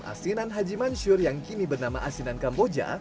asinan haji mansur yang kini bernama asinan kamboja